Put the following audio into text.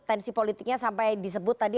tensi politiknya sampai disebut tadi